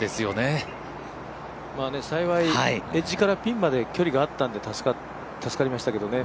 幸いエッジからピンまで距離があったので助かりましたけどね。